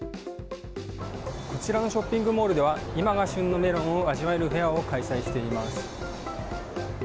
こちらのショッピングモールでは今が旬のメロンが味わえるフェアを開催しています。